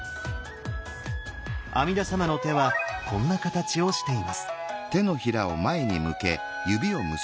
阿弥陀様の手はこんな形をしています。